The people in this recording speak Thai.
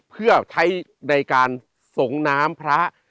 เพื่อใช้ในการส่งน้ำพระ